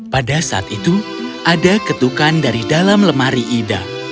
pada saat itu ada ketukan dari dalam lemari ida